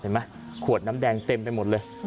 เห็นไหมขวดน้ำแดงเต็มไปหมดเลย